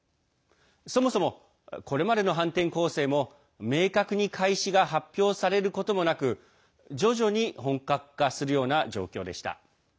そもそも、これまでの反転攻勢も明確に開始が発表されることもなく徐々に本格化するような状況でした。